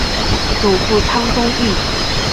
祖父汤宗义。